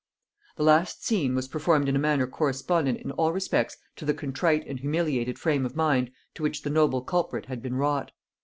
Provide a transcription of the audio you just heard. The last scene was performed in a manner correspondent in all respects to the contrite and humiliated frame of mind to which the noble culprit had been wrought.